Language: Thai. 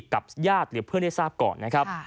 กับญาติหรือเพื่อนได้ทราบก่อนนะครับ